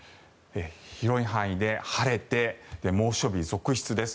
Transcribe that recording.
広い範囲で晴れて猛暑日続出です。